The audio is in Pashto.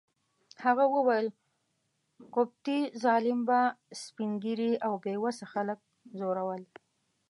هغه وویل: قبطي ظالم به سپین ږیري او بې وسه خلک ځورول.